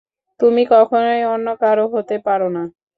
তুমি কখনই অন্য কারও হতে পারো না।